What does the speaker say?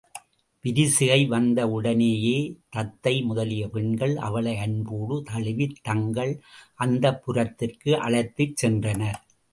விரிசிகை வந்த உடனேயே தத்தை முதலிய பெண்கள் அவளை அன்போடு தழுவித் தங்கள் அந்தப் புரத்திற்கு அழைத்துச் சென்றனர்.